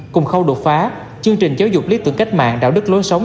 cùng khâu đột phá chương trình giáo dục lý tưởng cách mạng đạo đức lối sống